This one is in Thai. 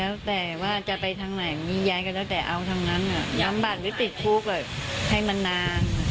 แล้วแต่ว่าจะไปทางไหนยายก็แล้วแต่เอาทั้งนั้นย้ำบัตรหรือติดคุกให้มันนาน